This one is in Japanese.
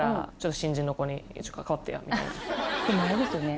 しかもでもあれですよね